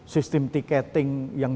sistem tiketing yang